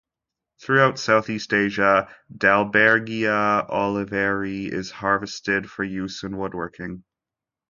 Throughout southeast Asia "Dalbergia oliveri" is harvested for use in woodworking.